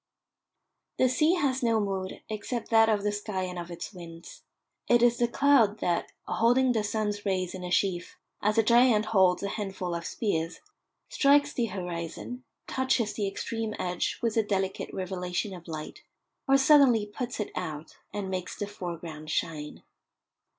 The sea has no mood except that of the sky and of its winds. It is the cloud that, holding the sun's rays in a sheaf as a giant holds a handful of spears, strikes the horizon, touches the extreme edge with a delicate revelation of light, or suddenly puts it out and makes the foreground shine.